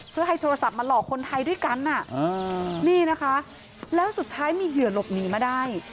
เพื่อให้โทรศัพท์มาหลอกคนไทยด้วยกันนี่นะคะแล้วสุดท้ายมีเหยื่อหลบหนีมาได้